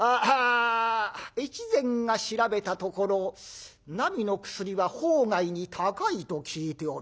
越前が調べたところなみの薬は法外に高いと聞いておる。